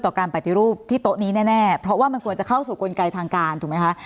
การปฏิรูปที่โต๊ะนี้แน่เพราะว่ามันควรจะเข้าสู่กลไกทางการถูกไหมคะ